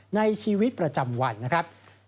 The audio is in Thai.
ในชีวิตประจำวันนะครับ